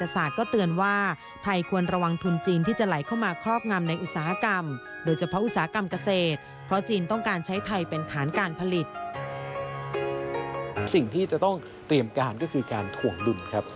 สิ่งที่จะต้องเตรียมการก็คือการถ่วงดุลครับ